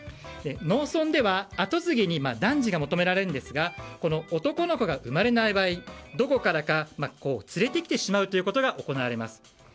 農村では、後継ぎに男児が求められるんですが男の子が生まれない場合どこからか連れてきてしまうことが行われます。